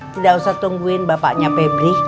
tidak usah tungguin bapaknya febri